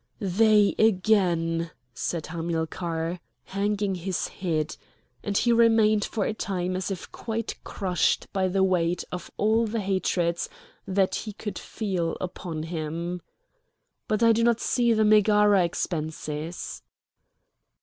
"They again!" said Hamilcar, hanging his head; and he remained for a time as if quite crushed by the weight of all the hatreds that he could feel upon him. "But I do not see the Megara expenses?"